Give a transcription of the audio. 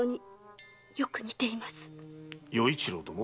与一郎殿？